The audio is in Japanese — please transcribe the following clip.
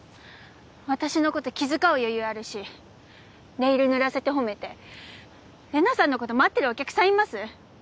私のこと気遣う余裕あるしネイル塗らせて褒めて「玲奈さんのこと待ってるお客さんいます」？